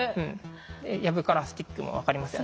「藪からスティック」も分かりますよね？